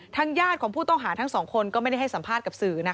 ญาติของผู้ต้องหาทั้งสองคนก็ไม่ได้ให้สัมภาษณ์กับสื่อนะคะ